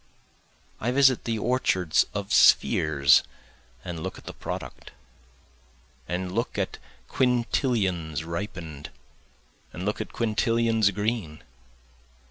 I visit the orchards of spheres and look at the product, And look at quintillions ripen'd and look at quintillions green.